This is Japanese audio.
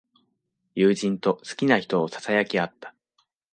友人と好きな人をささやき合った。